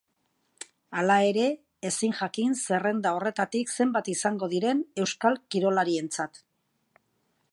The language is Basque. Hala ere, ezin jakin zerrenda horretatik zenbat izango diren euskal kirolarientzat.